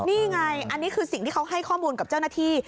นี่ไงอันนี้คือสิ่งที่เขาให้ข้อมูลกับเจ้าหน้าที่